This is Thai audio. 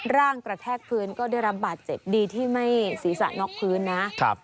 ร่างกระแทกพื้นก็ได้รับบาดเจ็บดีที่ไม่ศีรษะน็อกพื้นนะครับ